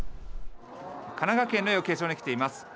神奈川県の養鶏場に来ています。